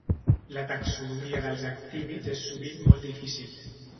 La taxonomia dels actínids és sovint molt difícil.